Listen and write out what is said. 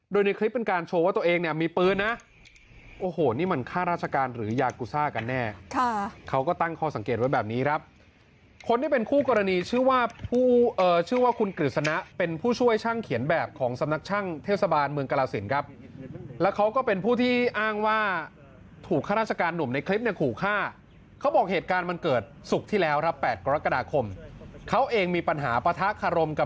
โดยในคลิปเป็นการโชว์ว่าตัวเองมีปืนนะโอ้โหนี่มันค่าราชการหรือยากูซ่ากันแน่เขาก็ตั้งคอสังเกตไว้แบบนี้ครับคนที่เป็นคู่กรณีชื่อว่าคุณกริษณะเป็นผู้ช่วยช่างเขียนแบบของสำนักช่างเทวสบานเมืองกราศิลป์ครับแล้วเขาก็เป็นผู้ที่อ้างว่าถูกค่าราชการหนุ่มในคลิปขู่ฆ่าเขาบอกเหตุการ